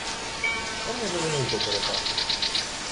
Та, може, воно й добре так.